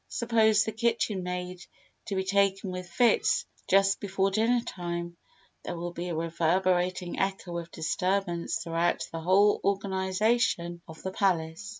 Suppose the kitchen maid to be taken with fits just before dinner time; there will be a reverberating echo of disturbance throughout the whole organisation of the palace.